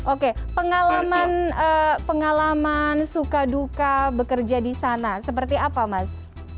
oke pengalaman suka duka bekerja di sana seperti apa mas